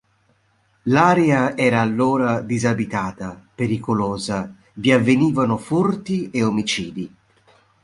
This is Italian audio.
L'area era allora disabitata, pericolosa, vi avvenivano furti e omicidi.